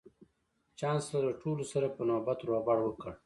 چانسلر له ټولو سره په نوبت روغبړ وکړ